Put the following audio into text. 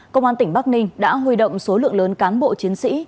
công an tỉnh bắc ninh đã huy động số lượng lớn cán bộ chiến sĩ